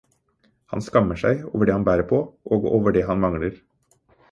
Han skammer seg over det han bærer på og over det han mangler.